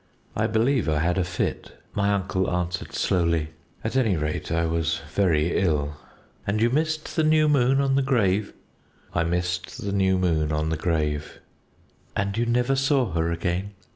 "I believe I had a fit," my uncle answered slowly; "at any rate, I was very ill." "And you missed the new moon on the grave?" "I missed the new moon on the grave." "And you never saw her again?"